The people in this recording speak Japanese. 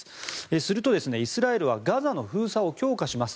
すると、イスラエルはガザの封鎖を強化します。